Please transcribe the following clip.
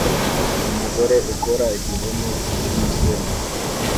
Umugore ukora igihome cyumusenyi